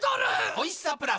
おいしさプラス